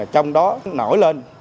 trong đó nổi lên